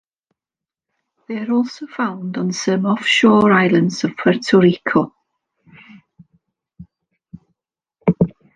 They are also found on some offshore islands of Puerto Rico.